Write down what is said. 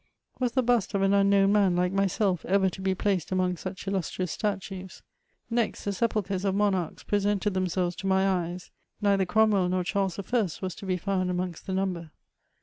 Was tfie bust of an unknown man like myself ever to be placed among such illustrious statues ? Next, the sepulchres of mo narchs presented themselyes to my eyes; neither Cromwell nor Charles I. was to be found amongst the number.